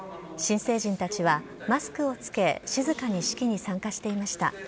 新成人たちはマスクを着け、静かに式に参加していました。